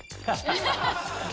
ハハハハ！